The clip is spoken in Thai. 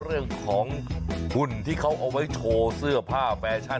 เรื่องของหุ่นที่เขาเอาไว้โชว์เสื้อผ้าแฟชั่น